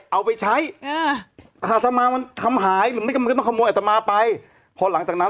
เอาไปใช้อ่าอัตมามันทำหายหรือไม่ก็มันก็ต้องขโมยอัตมาไปพอหลังจากนั้น